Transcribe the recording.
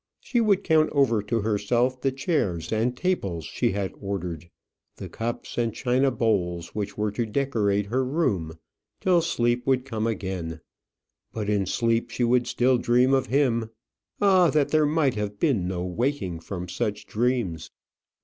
She would count over to herself the chairs and tables she had ordered, the cups and china bowls which were to decorate her room, till sleep would come again but in sleep she would still dream of him. Ah, that there might have been no waking from such dreams!